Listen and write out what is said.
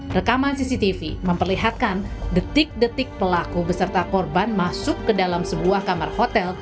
rekaman cctv memperlihatkan detik detik pelaku beserta korban masuk ke dalam sebuah kamar hotel